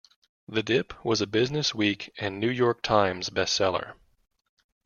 "The Dip" was a "Business Week" and "New York Times" bestseller.